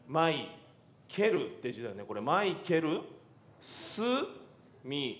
まいけるすみ。